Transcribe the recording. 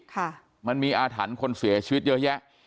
ค่ะมันมีอาถรรพ์คนเสียชีวิตเยอะแยะ